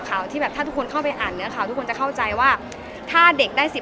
ที่แบบถ้าทุกคนเข้าไปอ่านเนื้อข่าวทุกคนจะเข้าใจว่าถ้าเด็กได้สิบ